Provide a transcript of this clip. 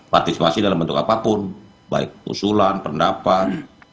partisipasi dalam bentuk apapun baik usulan pendapat